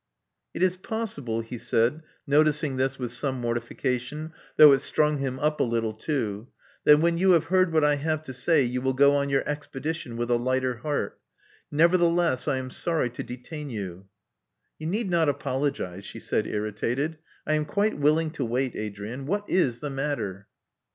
It is possible," he said, noticing this with some mortification, though it strimg him up a little, too, that when you have heard what I have to say, ypu will go on your expedition with a lighter heart. Nevertheless, I am sorry to detain you." "You need not apologize," she said, irritated. "I am quite willing to wait, Adrian. What Is the matter?"